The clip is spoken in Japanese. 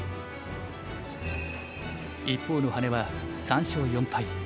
一方の羽根は３勝４敗。